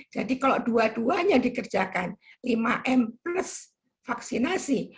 kalau dua duanya dikerjakan lima m plus vaksinasi